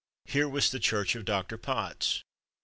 Here was the church of Dr. Potts.